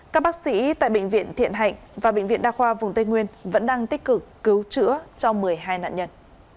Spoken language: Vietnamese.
các bác sĩ tại bệnh viện thiện hạnh và bệnh viện đa khoa vùng tây nguyên vẫn đang tích cực cứu chữa cho một mươi hai nạn nhân